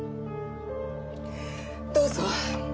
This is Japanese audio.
どうぞ。